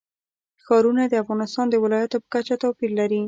ښارونه د افغانستان د ولایاتو په کچه توپیر لري.